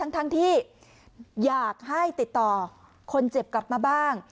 ทั้งที่อยากให้ติดต่อคนเจ็บกลับมาบ้าง